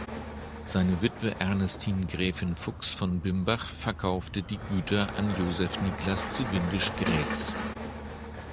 Seine Witwe Ernestine Gräfin Fuchs von Bimbach verkaufte die Güter an Joseph-Niklas zu Windisch-Graetz.